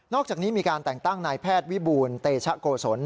อกจากนี้มีการแต่งตั้งนายแพทย์วิบูลเตชะโกศล